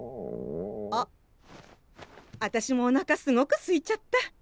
あっあたしもおなかすごくすいちゃった。